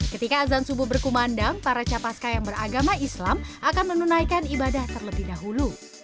ketika azan subuh berkumandang para capaska yang beragama islam akan menunaikan ibadah terlebih dahulu